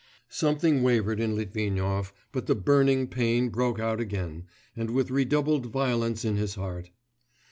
Something wavered in Litvinov, but the burning pain broke out again and with redoubled violence in his heart.